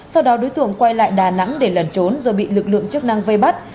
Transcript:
sau đó đối tượng quay lại đà nẵng để lẩn trốn do bị lực lượng chức năng vây bắt